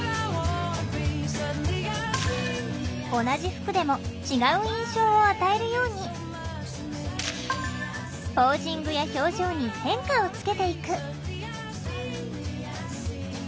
同じ服でも違う印象を与えるようにポージングや表情に変化をつけていく。